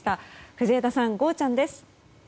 藤枝さん、ゴーちゃん。です。